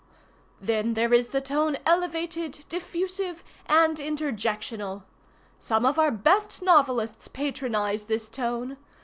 "Then there is the tone elevated, diffusive, and interjectional. Some of our best novelists patronize this tone.